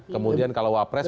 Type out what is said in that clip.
kemudian kalau wak pres